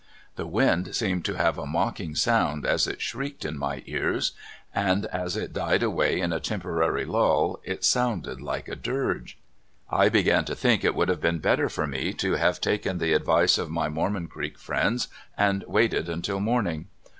The wand seemed to have a mocking sound as it shrieked in my ears, and as it died away in a temporary lull it sounded like a dirge. I began to think it would have been better for me to have taken the advice of m}^ Mormon Creek friends and w^aited until morning.